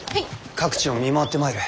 各地を見回ってまいる。